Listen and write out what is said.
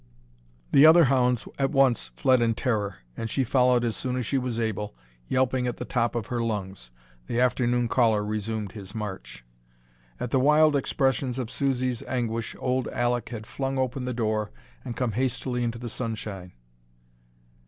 The other hounds at once fled in horror, and she followed as soon as she was able, yelping at the top of her lungs. The afternoon caller resumed his march. At the wild expressions of Susie's anguish old Alek had flung open the door and come hastily into the sunshine.